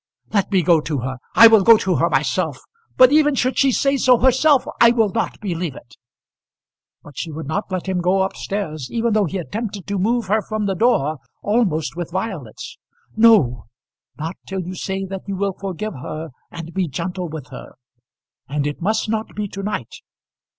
Let me go to her. I will go to her myself. But even should she say so herself, I will not believe it." But she would not let him go up stairs even though he attempted to move her from the door, almost with violence. "No; not till you say that you will forgive her and be gentle with her. And it must not be to night.